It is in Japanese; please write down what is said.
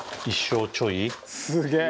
「すげえ！」